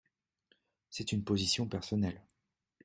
C’est une position personnelle.